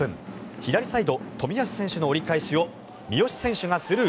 左サイド、冨安選手の折り返しを三好選手がスルー。